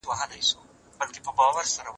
سياستپوهنه د دې ځواکونو واکمن قواعد څېړي.